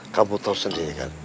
kamu tau sendiri kan